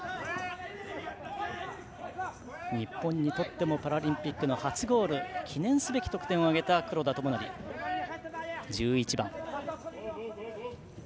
日本にとってもパラリンピックの初ゴール記念すべき得点を挙げた黒田智成、１１番。